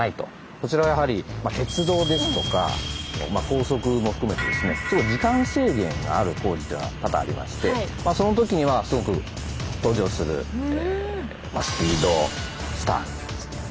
こちらはやはり鉄道ですとか高速も含めて時間制限がある工事っていうのは多々ありましてその時にはすごく登場するスピードスター。